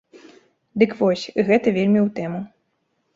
Дык вось, гэта вельмі ў тэму.